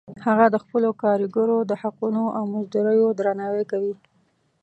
هغه د خپلو کاریګرو د حقونو او مزدوریو درناوی کوي